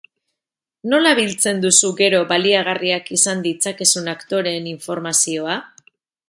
Nola biltzen duzu gero baliagarriak izan ditzakezun aktoreen informazioa?